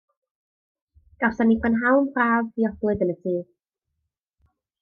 Gawson ni brynhawn braf, dioglyd yn y tŷ.